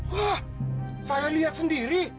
wah saya lihat sendiri